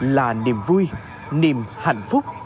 là niềm vui niềm hạnh phúc